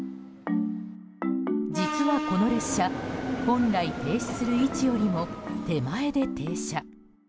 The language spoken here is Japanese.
実は、この列車本来停止する位置よりも手前で停車。